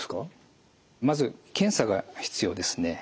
まず検査が必要ですね。